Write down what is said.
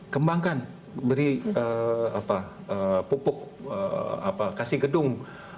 kembangkan beri pupuk kasih gedung